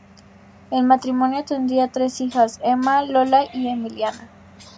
El matrimonio tendría tres hijas: Emma, Lola y Emiliana.